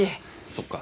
そっか。